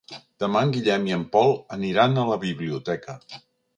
Demà en Guillem i en Pol aniran a la biblioteca.